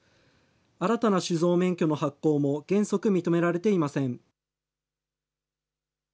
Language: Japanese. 新たな酒造免許の発行も、原則認められていません。